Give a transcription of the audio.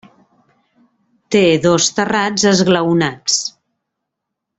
Té dos terrats esglaonats.